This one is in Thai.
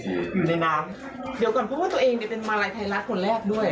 เดี๋ยวก่อนพูดว่าตัวเองจะเป็นมาลัยไทรัฐคนแรกด้วย